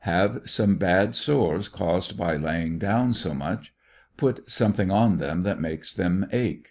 Have some bad sores caused by laying down so much; put something on them that makes them ache.